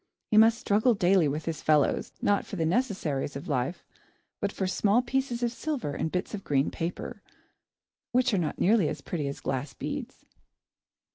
He must struggle daily with his fellows, not for the necessaries of life, but for small pieces of silver and bits of green paper, which are not nearly as pretty as glass beads.